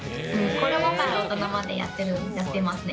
子どもから大人までやってますね。